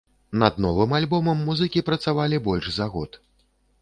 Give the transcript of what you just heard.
Над новым альбомам музыкі працавалі больш за год.